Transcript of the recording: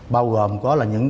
bao gồm có là những